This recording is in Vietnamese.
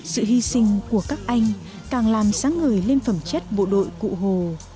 sự hy sinh của các anh càng làm sáng ngời lên phẩm chất bộ đội cụ hồ